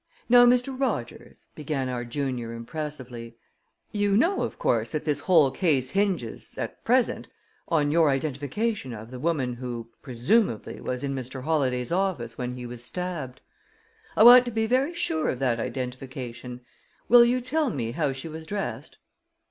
"Now, Mr. Rogers," began our junior impressively, "you know, of course, that this whole case hinges, at present, on your identification of the woman who, presumably, was in Mr. Holladay's office when he was stabbed. I want to be very sure of that identification. Will you tell me how she was dressed?"